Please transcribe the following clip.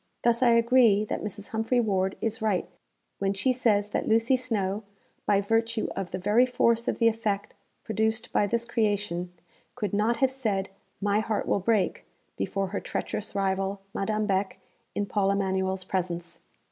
Thus I agree that Mrs. Humphry Ward is right when she says that Lucy Snowe, by virtue of the very force of the effect produced by this creation, could not have said, 'My heart will break,' before her treacherous rival Madame Beck, in Paul Emanuel's presence.